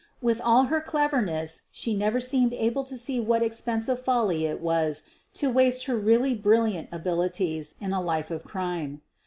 With all her cleverness she never seemed able to see what expensive folly lit was to waste her really brilliant abilities in a life of crime.